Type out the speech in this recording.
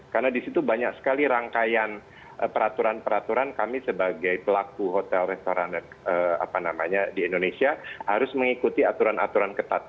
karena di situ banyak sekali rangkaian peraturan peraturan kami sebagai pelaku hotel restoran di indonesia harus mengikuti aturan aturan ketat